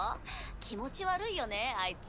気持ち悪いよねあいつ。